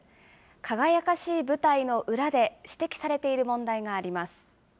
輝かしい舞台の裏で指摘されている問題があります。